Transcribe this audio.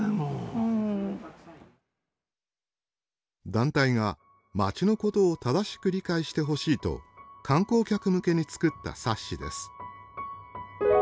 団体が街のことを正しく理解してほしいと観光客向けに作った冊子です。